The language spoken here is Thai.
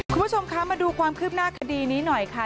คุณผู้ชมคะมาดูความคืบหน้าคดีนี้หน่อยค่ะ